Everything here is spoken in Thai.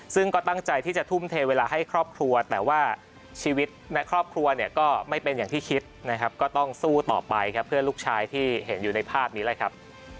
ซึ่งก็ตั้งใจที่จะทุ่มเทเวลาให้ครอบครัวแต่ว่าชีวิตในครอบครัวเนี่ยก็ไม่เป็นอย่างที่คิดนะครับก็ต้องสู้ต่อไปครับเพื่อลูกชายที่เห็นอยู่ในภาพนี้แหละครับ